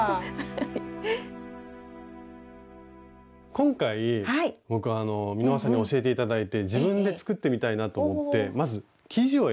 今回僕美濃羽さんに教えて頂いて自分で作ってみたいなと思ってまず生地を選んできました。